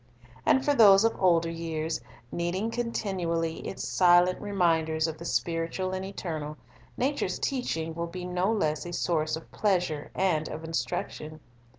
And for those of older years, needing continually its silent reminders of the spiritual and eternal, nature's teaching will be no less a source of pleasure and of instruction.